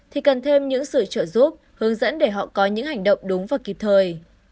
thì cần thêm những sự trợ giúp hướng dẫn để họ có những hành động đúng và kịp thời